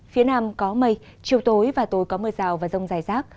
phía nam có mây chiều tối và tối có mưa rào và rông dài rác